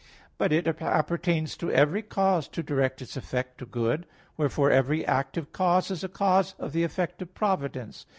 But it appertains to every cause to direct its effect to good; wherefore every active cause is a cause of the effect of providence.